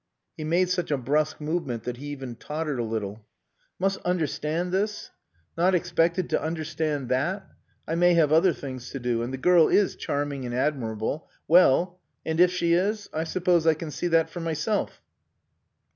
He made such a brusque movement that he even tottered a little. "Must understand this! Not expected to understand that! I may have other things to do. And the girl is charming and admirable. Well and if she is! I suppose I can see that for myself."